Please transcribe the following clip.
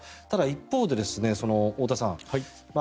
一方で太田さん